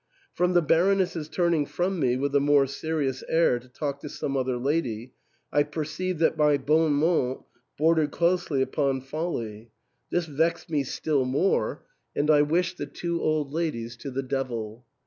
From the Baroness's turning from me with a more serious air to talk to some other lady, I perceived that my bonmot bordered closely upon folly ; this vexed me still more, 238 THE ENTAIL. and I wished the two old ladies to the devil.